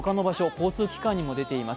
交通機関にも出ています。